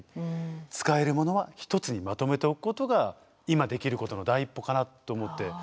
使えるものは１つにまとめておくことが今できることの第一歩かなと思って。